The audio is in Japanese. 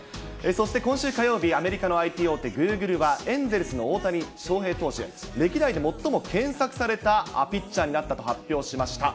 そして今週火曜日、アメリカのＩＴ大手、グーグルは、エンゼルスの大谷翔平投手、歴代で最も検索されたピッチャーになったと発表しました。